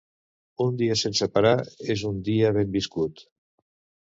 Un dia sense parar, és un dia ben viscut.